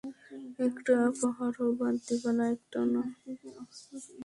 একটা পাহাড় ও বাদ দিবো না একটাও না!